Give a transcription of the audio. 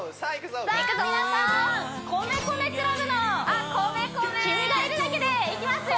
皆さん米米ＣＬＵＢの「君がいるだけで」いきますよ